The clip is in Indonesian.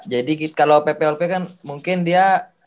jadi kalau pplp kan mungkin dia